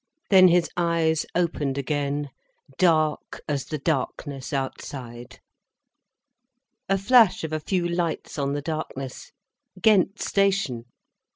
Then his eyes opened again, dark as the darkness outside. A flash of a few lights on the darkness—Ghent station!